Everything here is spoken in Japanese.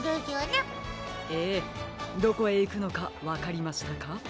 ええどこへいくのかわかりましたか？